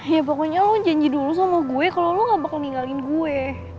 ya pokoknya lo janji dulu sama gue kalau lo gak bakal ninggalin gue